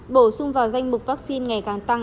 bổ sung vào danh mục vaccine ngày càng tăng